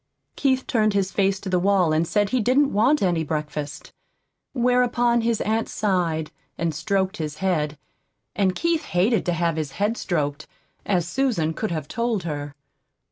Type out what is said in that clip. Keith turned his face to the wall and said he didn't want any breakfast. Whereupon his aunt sighed, and stroked his head; and Keith hated to have his head stroked, as Susan could have told her.